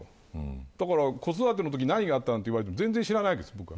だから子育てのとき何があったなんて言われても全然知らないです、僕は。